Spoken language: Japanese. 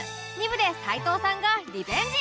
２部で齊藤さんがリベンジ